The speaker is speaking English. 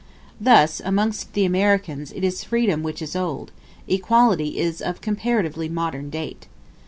Thus amongst the Americans it is freedom which is old equality is of comparatively modern date.